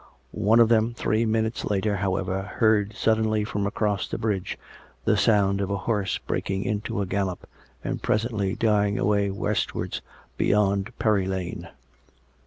One of them, three minutes later, however, heard suddenly from across the bridge the sound of a horse breaking into a gallop and presently dying away westwards beyond Perry Lane.